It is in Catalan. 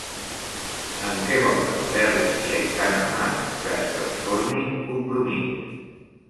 En què volen Ferri i Aitana Mas que es transformi Compromís?